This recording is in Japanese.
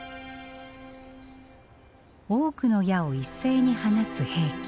多くの矢を一斉に放つ兵器。